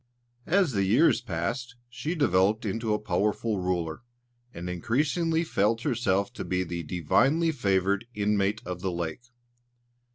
As the years passed she developed into a powerful ruler, and increasingly felt herself to be the divinely favoured inmate of the lake.